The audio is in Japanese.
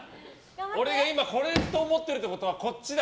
俺が今これと思ってるってことはこっちだ。